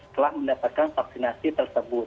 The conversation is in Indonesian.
telah mendapatkan vaksinasi tersebut